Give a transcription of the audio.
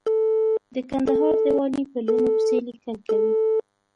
د کندهار د والي په لوڼو پسې ليکل کوي.